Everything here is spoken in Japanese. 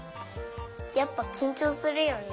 やっぱきんちょうするよね。